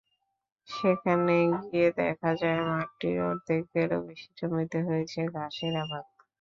সেখানে গিয়ে দেখা যায়, মাঠটির অর্ধেকেরও বেশি জমিতে হয়েছে ঘাসের আবাদ।